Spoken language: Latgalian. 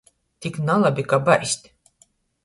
Tik nalabi, ka baist.